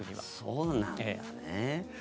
そうなんだね。